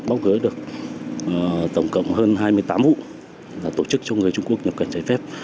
bóc gỡ được tổng cộng hơn hai mươi tám vụ tổ chức cho người trung quốc nhập cảnh trái phép